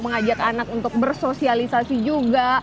mengajak anak untuk bersosialisasi juga